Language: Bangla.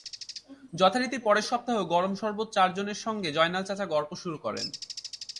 যথারীতি পরের সপ্তাহেও গরম শরবত চার সঙ্গে জয়নাল চাচা গল্প শুরু করেন।